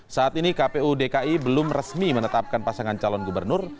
saat ini kpu dki belum resmi menetapkan pasangan calon gubernur